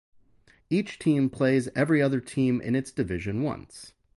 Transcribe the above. Each team plays every other team in its division once.